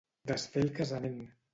Desfer el casament.